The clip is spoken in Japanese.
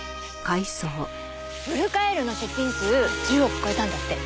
ウルカエールの出品数１０億超えたんだって。